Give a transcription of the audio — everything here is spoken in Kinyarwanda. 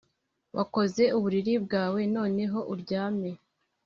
wakoze uburiri bwawe, noneho uryame.